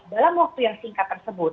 dalam waktu yang singkat tersebut